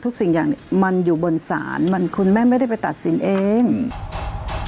สิ่งอย่างเนี้ยมันอยู่บนศาลมันคุณแม่ไม่ได้ไปตัดสินเองอืม